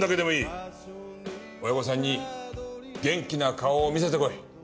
親御さんに元気な顔を見せてこい。